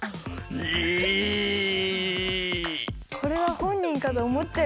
これは本人かと思っちゃいますね。